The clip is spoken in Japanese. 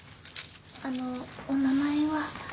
あのお名前は？